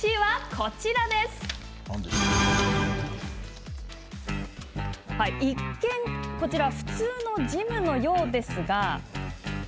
こちら一見普通のジムのようですが。